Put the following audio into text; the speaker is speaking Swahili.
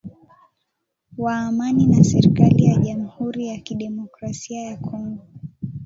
wa amani na serikali ya jamuhuri ya kidemokrasia ya Kongo